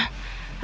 ada apa ya